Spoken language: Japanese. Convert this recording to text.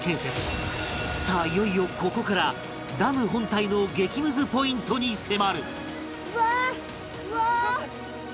さあいよいよここからダム本体の激ムズポイントに迫る！